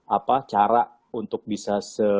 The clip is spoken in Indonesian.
apa cara untuk bisa